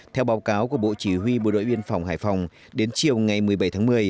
theo báo cáo của bộ chỉ huy bộ đội biên phòng hải phòng đến chiều ngày một mươi bảy tháng một mươi